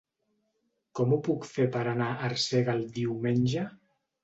Com ho puc fer per anar a Arsèguel diumenge?